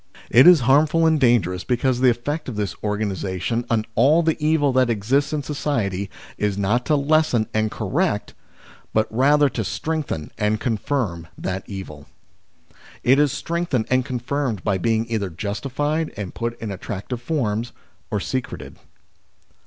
95 It is harmful and dangerous because the effect of this organisation on all the evil that exists in society is not to lessen and correct, but rather to strengthen and confirm, that evil. It is strengthened and confirmed, by being either justified and put in attractive forms, or secreted.